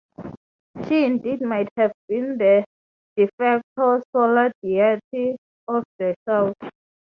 She indeed might have been the "de facto" solar deity of the Celts.